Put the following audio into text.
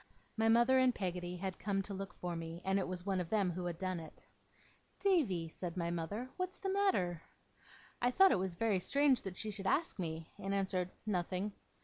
My mother and Peggotty had come to look for me, and it was one of them who had done it. 'Davy,' said my mother. 'What's the matter?' I thought it was very strange that she should ask me, and answered, 'Nothing.